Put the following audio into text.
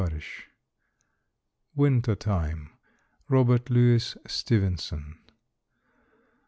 _ WINTER TIME. ROBERT LOUIS STEVENSON.